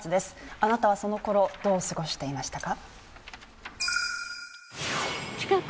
あなたはそのころどう過ごしていましたか？